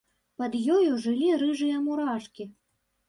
Пад ёю жылі рыжыя мурашкі.